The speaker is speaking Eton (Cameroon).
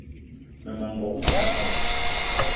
Mmema n'gogué mona pam